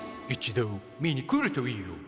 一度見にくるといいよ。